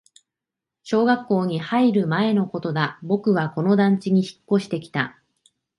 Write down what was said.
小学校に入る前のことだ、僕はこの団地に引っ越してきた